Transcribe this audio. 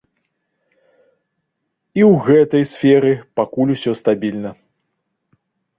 І ў гэтай сферы пакуль усё стабільна.